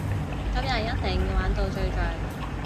今日一定要玩到最盡！